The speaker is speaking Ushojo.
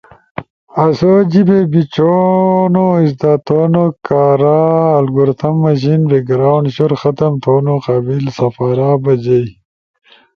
آسو جیچھونا ازدا تھونوکارا الگور تھم مشین بیک گراونڈ شور ختم تھونو قابل سپارا بجئی۔